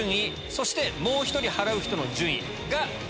そしてもう１人払う人の順位。